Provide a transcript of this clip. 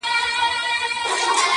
ډېر هوښیار دی مشرتوب لایق د ده دی٫